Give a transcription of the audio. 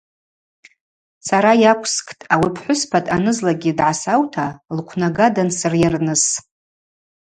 Сара йаквскӏтӏ ауи апхӏвыспа дъанызлакӏгьи дгӏасаута лквнага дансырйарныс.